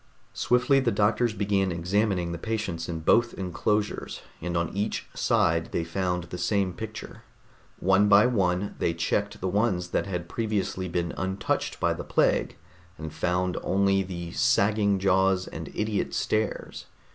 Swiftly the doctors began examining the patients in both enclosures, and on each side they found the same picture. One by one they checked the ones that had previously been untouched by the plague, and found only the sagging jaws and idiot stares.